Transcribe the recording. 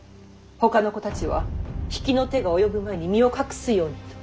ほかの子たちは比企の手が及ぶ前に身を隠すようにと。